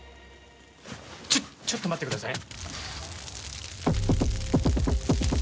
ちょっちょっと待ってください。